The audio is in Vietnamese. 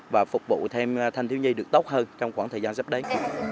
và phục vụ thêm thanh thiếu nhi được tốt hơn trong khoảng thời gian sắp đến